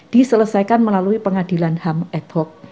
diselesaikan melalui pengadilan ham ad hoc